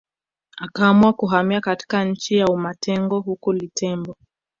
Akaamua kuhamia katika nchi ya umatengo huko Litembo